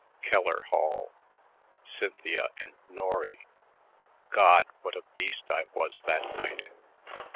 Keller Hall, Cynthia and Norry.... "God, what a beast I was that night.